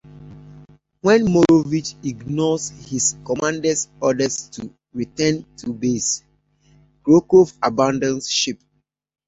When Morovich ignores his commander's orders to return to base, Krokov abandons ship.